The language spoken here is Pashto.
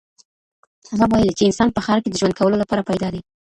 هغه ويلي چې انسان په ښار کې د ژوند کولو لپاره پيدا دی.